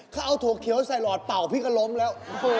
เขาเอาถั่วเขียวใส่หลอดเป่าพี่ก็ล้มแล้ว